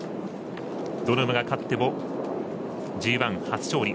どの馬が勝ってもＧＩ初勝利。